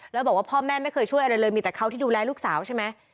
แล้วบอกว่าพ่อแม่ไม่เคยช่วยอะไรเลยมีแต่เขาที่ดูแลลูกสาวใช่ไหม